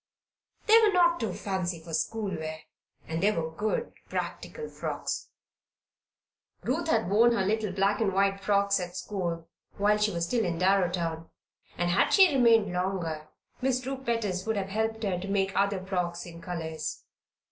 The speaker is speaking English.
They were not too fancy for school wear, and they were good, practical frocks. Ruth had worn her little black and white frocks at school while she was still in Darrowtown, and had she remained longer Miss True Pettis would have helped her to make other frocks in colors.